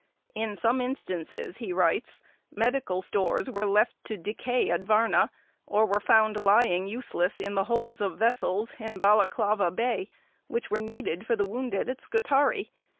"In some instances," he writes, "medical stores were left to decay at Varna, or were found lying useless in the holds of vessels in Balaklava Bay, which were needed for the wounded at Scutari.